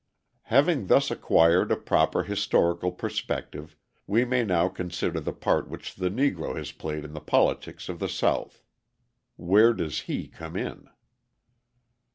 Having thus acquired a proper historical perspective, we may now consider the part which the Negro has played in the politics of the South. Where does he come in?